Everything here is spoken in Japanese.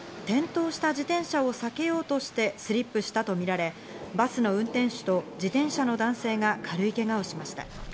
転倒した自転車を避けようとしてスリップしたとみられ、バスの運転手と自転車の男性が軽いけがをしました。